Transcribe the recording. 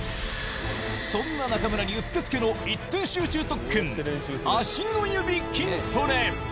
そんな中村にうってつけの一点集中特訓、足の指筋トレ。